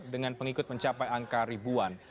dengan pengikut mencapai angka ribuan